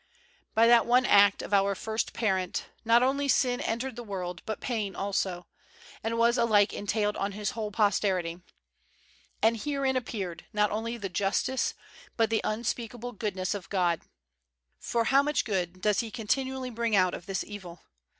By that one act of our first parent, not only '' sin entered the world, '' but pain also, and was alike entailed on his whole posterity. And herein appeared, not only the justice, but the unspeakable goodness of God. For how much good does He continually bring out of this evil!